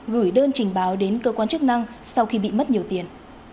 gửi đơn trình báo đến cơ quan chức năng sau khi bị mất nhiều tiền